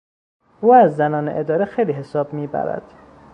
او از زنان اداره خیلی حساب میبرد.